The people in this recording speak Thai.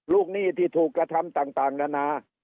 หนี้ที่ถูกกระทำต่างนานา